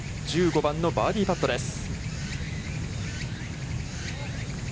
１５番のバーディーパットです。